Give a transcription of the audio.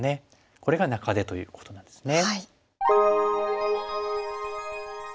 これが中手ということなんですね。